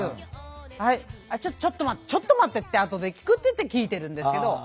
はいちょっと待ってちょっと待って後で聞くって言って聞いてるんですけど。